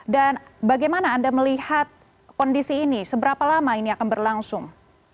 dan bagaimana anda melihat kondisi ini seberapa lama ini akan berlangsung